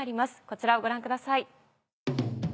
こちらをご覧ください。